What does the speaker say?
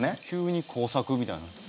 急に工作みたいな。